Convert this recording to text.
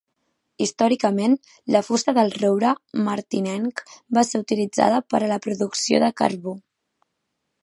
Històricament, la fusta del roure martinenc va ser utilitzada per a la producció de carbó.